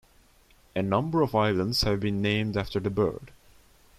A number of islands have been named after the bird.